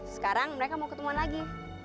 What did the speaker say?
sekarang mereka mau ketemuan lagi